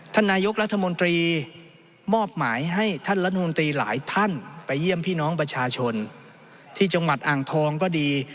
ท่านนายกรัฐมนตรีมอบหมายให้ท่านรัฐมนตรีหลายท่านไปเยี่ยมพี่น้องประชาชนที่จังหวัดอ่างทองก็ดี